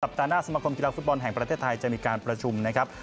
ปัดหน้าสมคมกีฬาฟุตบอลแห่งประเทศไทยจะมีการประชุมนะครับ